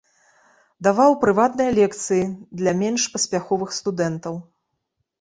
Даваў прыватныя лекцыі для менш паспяховых студэнтаў.